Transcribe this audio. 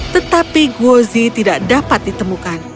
tetapi gozi tidak dapat ditemukan